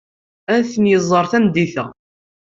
Ad ten-iẓer tameddit-a.